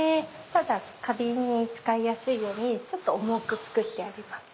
花瓶に使いやすいようにちょっと重く作ってあります。